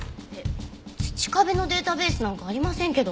土壁のデータベースなんかありませんけど。